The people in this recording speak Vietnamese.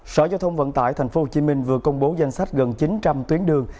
sở giao thông vận tải tp hcm vừa công bố danh sách gần chín trăm linh tuyến đường